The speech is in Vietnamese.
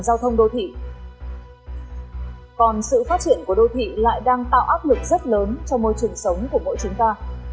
còn sự phát triển của đô thị lại đang tạo áp lực rất lớn cho môi trường sống của mỗi chúng ta